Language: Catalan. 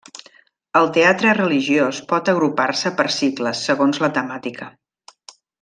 El teatre religiós pot agrupar-se per cicles, segons la temàtica.